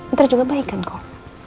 ntar juga baik kan kok